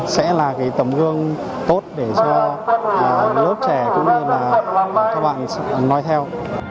sẽ là cái tấm gương tốt để cho lớp trẻ cũng như là các bạn nói theo